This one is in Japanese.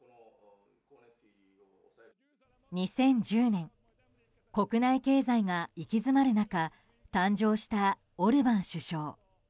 ２０１０年国内経済が行き詰まる中誕生したオルバン首相。